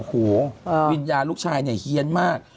โอ้โฮวิญญาณลูกชายเฮียนมาก